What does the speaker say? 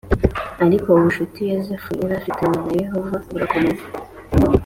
Ariko ubucuti Yozefu yari afitanye na Yehova burakomeza